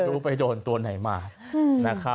รู้ไปโดนตัวไหนมานะครับ